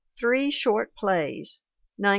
Three Short Plays, 1917.